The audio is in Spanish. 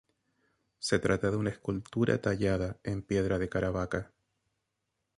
Se trata de una escultura tallada en piedra de Caravaca.